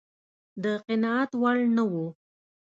د قناعت وړ نه و.